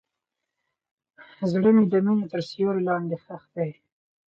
زړه مې د مینې تر سیوري لاندې ښخ دی.